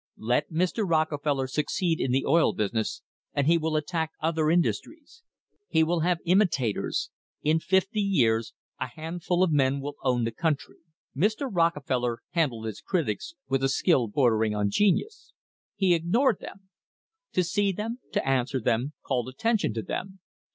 Let Mr. Rockefeller succeed in the oil business and he will attack other industries; he will have THE STANDARD OIL COMPANY AND POLITICS imitators. In fifty years a handful of men will own the country. Mr. Rockefeller handled his critics with a skill bordering on genius. He ignored them. To see them, to answer them, called attention to them.